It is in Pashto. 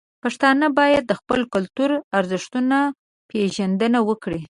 پښتانه باید د خپل کلتور د ارزښتونو پیژندنه وکړي.